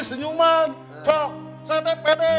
saya sudah pede